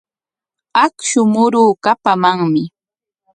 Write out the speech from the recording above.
Akshu muruu kapamanmi.